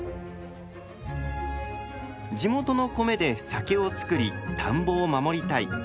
地元の米で酒を造り田んぼを守りたい。